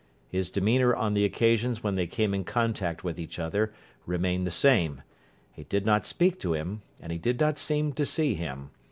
His demeanour on the occasions when they came in contact with each other remained the same. He did not speak to him, and he did not seem to see him.